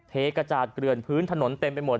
เทกระจาดเกลื่อนพื้นถนนเต็มไปหมด